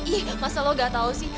ih masa lo gak tau sih